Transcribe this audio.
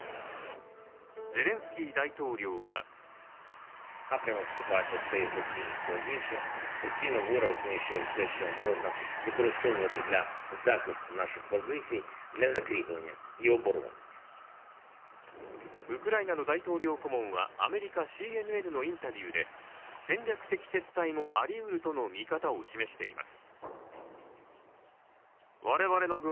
ゼレンスキー大統領はウクライナの大統領顧問はアメリカＣＮＮのインタビューで戦略的撤退もありうるとの見方を示しています。